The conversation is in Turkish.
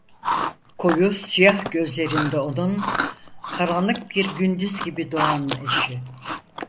Koyu, siyah gözlerinde onun, karanlık bir gündüz gibi doğan eşi: